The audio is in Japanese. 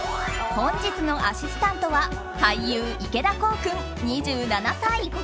本日のアシスタントは俳優・池田航君、２７歳。